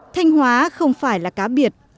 thanh hóa không phải là cá biệt